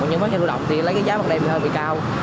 nhưng xe lưu động thì lấy cái giá bằng đêm thì hơi bị cao